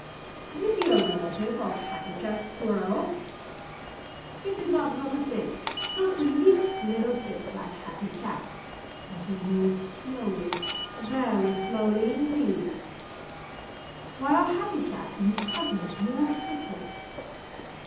Could he be a relative of Happy Jack Squirrel? He didn't look a bit, not the least little bit like Happy Jack. And he moved slowly, very slowly, indeed, while Happy Jack and his cousins move quickly.